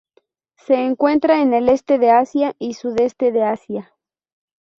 Se encuentra en el este de Asia y sudeste de Asia.